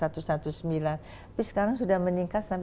tapi sekarang sudah meningkat sampai satu ratus tujuh